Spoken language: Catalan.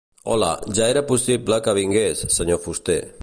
Hola, ja era possible que vingués, senyor fuster.